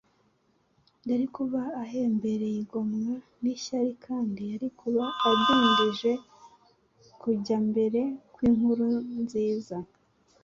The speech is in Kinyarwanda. yari kuba ahembereye igomwa n’ishyari, kandi yari kuba adindije kujya mbere kw’inkuru nziza.